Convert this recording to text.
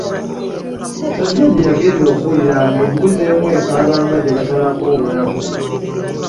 Ssajjabbi yagenda okuwulira nga embuzi emu ekaaba nga gye basalako obulago.